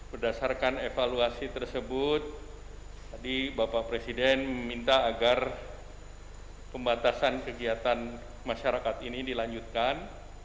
berdasarkan evaluasi tersebut tadi bapak presiden meminta agar pembatasan kegiatan masyarakat ini dilanjutkan